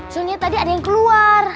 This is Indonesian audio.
sehingga tadi ada yang keluar